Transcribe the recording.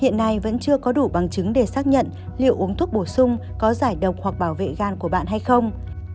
hiện nay vẫn chưa có đủ bằng chứng để xác nhận liệu uống thuốc bổ sung có giải độc hoặc bảo vệ gan của bạn hay không